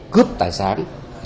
cướp tài sản